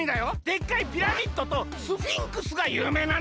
でっかいピラミッドとスフィンクスがゆうめいなんだよ。